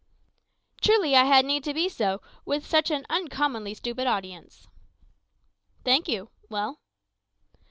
"Truly I had need to be so, with such an uncommonly stupid audience." "Thank you. Well?"